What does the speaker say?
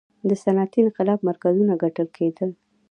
د صنعتي انقلاب مرکزونه ګڼل کېدل.